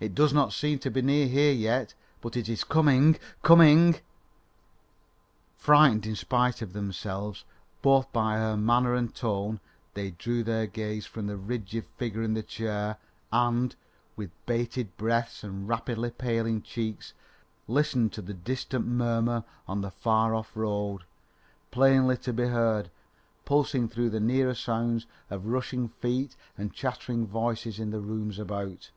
It does not seem to be near here yet, but it is coming coming." Frightened in spite of themselves, both by her manner and tone, they drew their gaze from the rigid figure in the chair, and, with bated breaths and rapidly paling cheeks, listened to the distant murmur on the far off road, plainly to be heard pulsing through the nearer sounds of rushing feet and chattering voices in the rooms about.